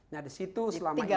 nah di situ selama ini